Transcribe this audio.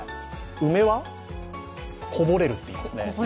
梅はこぼれるっていいますね。